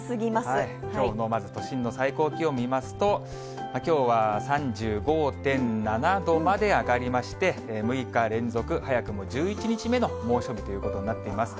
きょうのまず、都心の最高気温見ますと、きょうは３５．７度まで上がりまして、６日連続、早くも１１日目の猛暑日ということになっています。